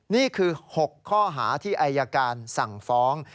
นี่คือ๖ข้อหาที่อายการสั่งฟ้อง